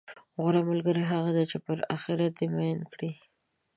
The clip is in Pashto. غوره ملګری هغه دی، چې پر اخرت دې میین کړي،